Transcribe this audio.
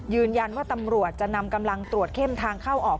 ยืนยันว่าตำรวจจะนำกำลังตรวจเข้มทางเข้าออก